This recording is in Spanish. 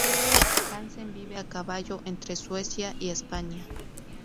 Hansen vive a caballo entre Suecia y España.